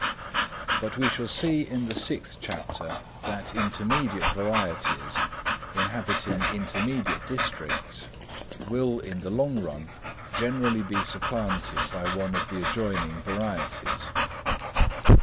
But we shall see in the sixth chapter that intermediate varieties, inhabiting intermediate districts, will in the long run generally be supplanted by one of the adjoining varieties.